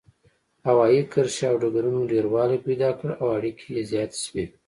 هوايي کرښې او ډګرونو ډیروالی پیدا کړ او اړیکې زیاتې شوې.